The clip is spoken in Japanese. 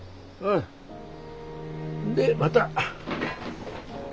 んでまた。